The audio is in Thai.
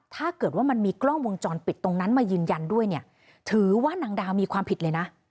ถ้าเกิดว่ามันมีกล้องวงจรปิดตรงนั้นมายืนยันด้วยเนี่ยถือว่านางดาวมีความผิดเลยนะ